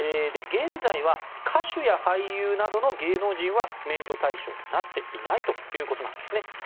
現在は歌手や俳優などの芸能人は免除対象となっていないということなんです。